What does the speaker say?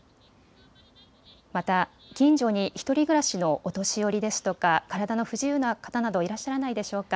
また近所に１人暮らしのお年寄りですとか体の不自由な方などいらっしゃらないでしょうか。